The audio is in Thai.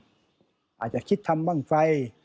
คิดร่วมกันทำอาจจะคิดทำบ้างไฟ